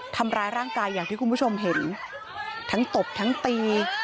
ทำร้ายร่างกายอย่างที่คุณผู้ชมเห็นทั้งตบทั้งตี